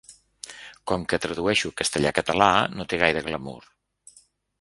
Com que tradueixo castellà-català no té gaire glamur.